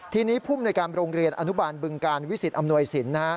ทีนี้ภูมิในการโรงเรียนอนุบาลบึงการวิสิตอำนวยสิน